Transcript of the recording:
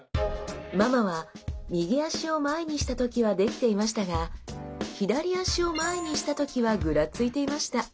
ママは右脚を前にした時はできていましたが左脚を前にした時はぐらついていました。